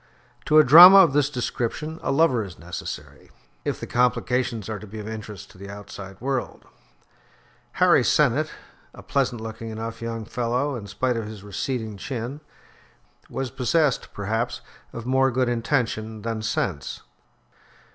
To a drama of this description, a lover is necessary, if the complications are to be of interest to the outside world. Harry Sennett, a pleasant looking enough young fellow, in spite of his receding chin, was possessed, perhaps, of more good intention than sense.